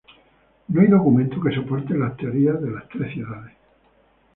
No hay documento que soporte la teoría de las tres ciudades.